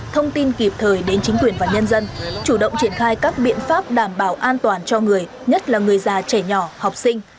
thông tin kịp thời đến chính quyền và nhân dân chủ động triển khai các biện pháp đảm bảo an toàn cho người nhất là người già trẻ nhỏ học sinh